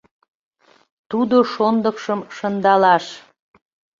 Тудо шондыкшым шындалаш